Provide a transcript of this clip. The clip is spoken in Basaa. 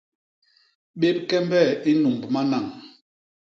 Bép kembe i nnumb manañ.